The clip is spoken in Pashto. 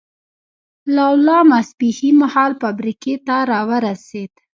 لولا ماسپښین مهال فابریکې ته را ورسېد.